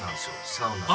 サウナの。